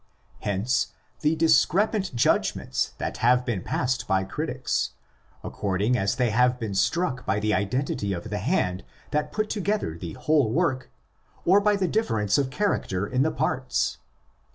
Hence the discrepant judgments that have been passed by critics according as they have been struck by the identity of the hand that put together the whole work or by the difference of character in the parts.